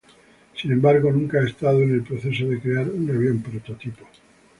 Sin embargo, nunca ha estado en el proceso de crear un avión prototipo.